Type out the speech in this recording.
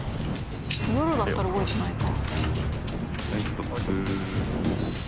夜だったら動いてないか。